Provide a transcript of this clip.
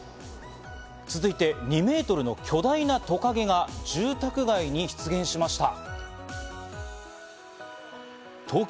続いて２メートルの巨大なトカゲが住宅街に出現しました。